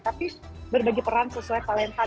tapi berbagi peran sesuai talenta